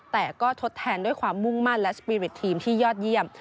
แต่ก็ทดแทนด้วยความมุ่งมั่นและสปีริตทีมที่ยอดเยี่ยม